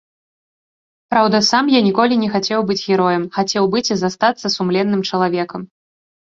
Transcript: Праўда, сам я ніколі не хацеў быць героем, хацеў быць і застацца сумленным чалавекам.